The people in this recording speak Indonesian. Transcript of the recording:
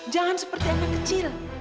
jangan seperti anak kecil